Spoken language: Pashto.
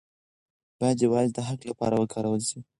باید یوازې د حق لپاره وکارول شي.